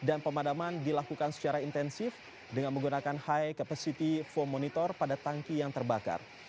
dan pemadaman dilakukan secara intensif dengan menggunakan high capacity foam monitor pada tangki yang terbakar